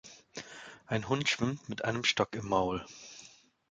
Ein Hund schwimmt mit einem Stock im Maul.